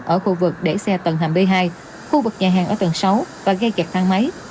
ở khu vực để xe tầng hầm b hai khu vực nhà hàng ở tầng sáu và gây kẹt thang máy